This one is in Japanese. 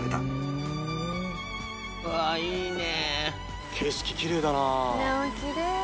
うわっいいね。